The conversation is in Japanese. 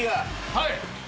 はい。